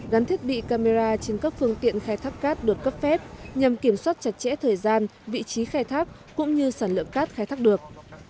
gắn thiết bị camera trên các phương tiện khai thác cát được cấp phép nhằm kiểm soát chặt chẽ thời gian vị trí khai thác cũng như sản lượng cát khai thác được